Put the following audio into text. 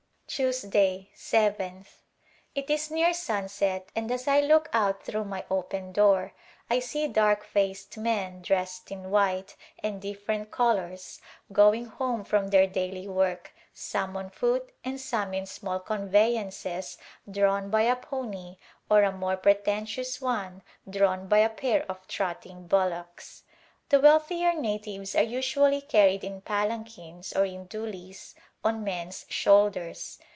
Tuesday^ yth. It is near sunset and as I look out through my open door I see dark faced men dressed in white and different colors going home from their daily work, some on foot and some in small conveyances drawn by a pony or a more pretentious one drawn by a pair of trotting bullocks. The wealthier natives are usually carried in palanquins or in doolies on men's shoulders.